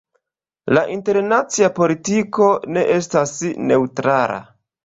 La internacia politiko ne estas neŭtrala.